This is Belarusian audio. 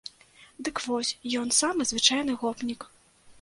Дык вось, ён самы звычайны гопнік.